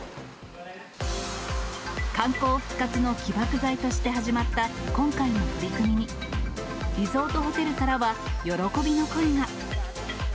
観光復活の起爆剤として始まった今回の取り組みに、リゾートホテルからは、喜びの声が。